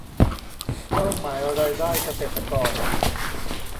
เป้าหมายรายได้เกษตรกร